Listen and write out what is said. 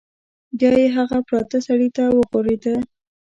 بیا یې هغه پراته سړي ته وغوریده.